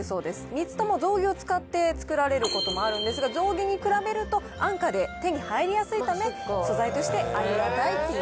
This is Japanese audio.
３つとも象牙を使って作られることもあるんですが象牙に比べると安価で手に入りやすいため素材としてありがたいという。